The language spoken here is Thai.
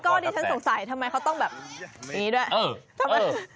คือเล่นตระก้อนี่ฉันสงสัยทำไมเขาต้องแบบนี้ด้วย